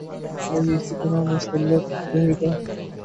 کیا یہ اسی طرح مسلط رہے گا؟